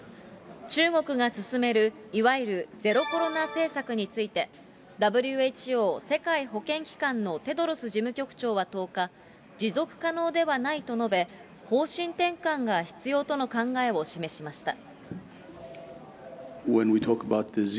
中国が進める、いわゆるゼロコロナ政策について、ＷＨＯ・世界保健機関のテドロス事務局長は１０日、持続可能ではないと述べ、方針転換が必要との考えを示しました。